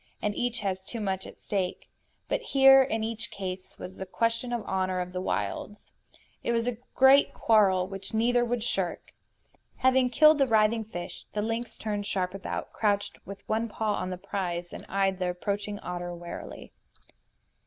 And each has too much at stake. But here, in each case, was a question of the honor of the wilds. It was a great quarrel which neither would shirk. Having killed the writhing fish, the lynx turned sharp about, crouched with one paw on the prize, and eyed the approaching otter warily.